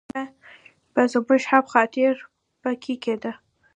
هفته نیمه به زموږ هم خاطر په کې کېده.